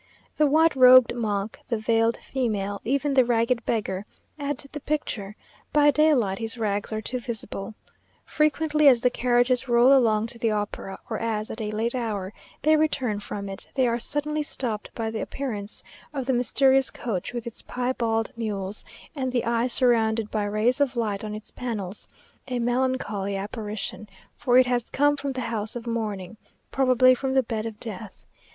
The white robed monk the veiled female even the ragged beggar, add to the picture; by daylight his rags are too visible. Frequently, as the carriages roll along to the opera, or as, at a late hour, they return from it, they are suddenly stopped by the appearance of the mysterious coach, with its piebald mules, and the Eye surrounded by rays of light on its panels; a melancholy apparition, for it has come from the house of mourning, probably from the bed of death.